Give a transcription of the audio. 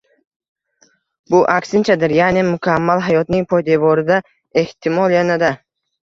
bu aksinchadir: ya’ni, mukammal hayotning poydevorida, ehtimol yanada